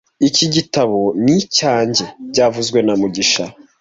Iki gitabo ni icyanjye byavuzwe na mugisha